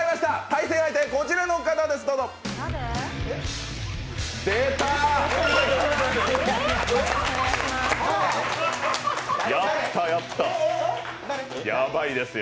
対戦相手、こちらの方です。